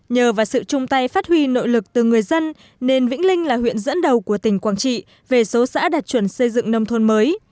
nhờ vào sự chung tay phát huy nội lực từ người dân nên vĩnh linh là huyện dẫn đầu của tỉnh quảng trị về số xã đạt chuẩn xây dựng nông thôn mới